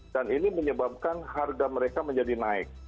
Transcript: dan ini menyebabkan harga mereka menjadi naik